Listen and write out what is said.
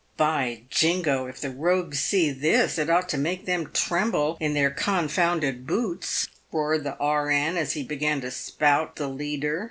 " By jingo ! if the rogues see this, it ought to make them tremble PAYED WITH GOfJ). 399 in their confounded boots," roared the R.N., as lie began to spout the leader.